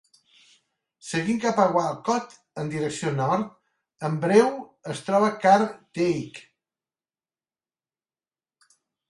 Seguint cap a Walcott en direcció nord, en breu es troba Car Dyke.